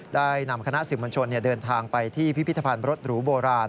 ได้นำคณะสื่อมวลชนเดินทางไปที่พิพิธภัณฑ์รถหรูโบราณ